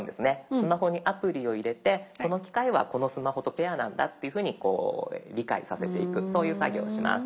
スマホにアプリを入れてこの機械はこのスマホとペアなんだっていうふうにこう理解させていくそういう作業をします。